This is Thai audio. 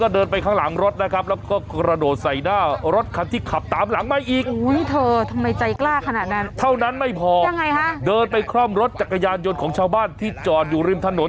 เดินไปคร่ำรถจากกัยานยนต์ของชาวบ้านที่จอนอยู่ริมถนน